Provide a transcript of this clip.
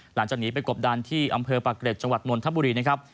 หลังจากหนีไปกบดันที่อำเภอปากเกร็จจังหวัดนนทบุรีนะครับ